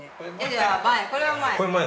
じゃあ前これは前。